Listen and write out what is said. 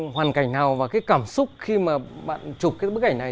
hoàn cảnh nào và cái cảm xúc khi mà bạn chụp cái bức ảnh này